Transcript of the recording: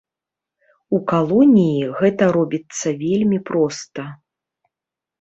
У калоніі гэта робіцца вельмі проста.